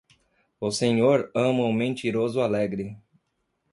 O Senhor ama um mentiroso alegre.